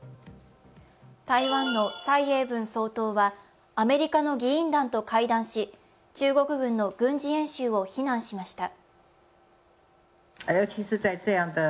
台湾の蔡英文総統はアメリカの議員団と会談し、中国軍の軍事演習を非難しました。